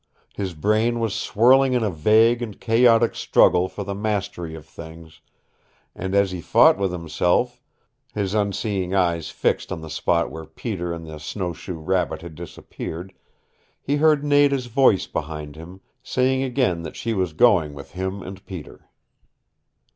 His brain was swirling in a vague and chaotic struggle for the mastery of things, and as he fought with himself his unseeing eyes fixed on the spot where Peter and the snowshoe rabbit had disappeared he heard Nada's voice behind him, saying again that she was going with him and Peter.